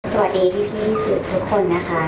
สวัสดีพี่สื่อทุกคนนะคะ